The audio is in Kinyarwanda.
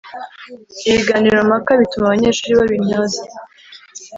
, ibiganiro mpaka bituma abanyeshuri baba intyoza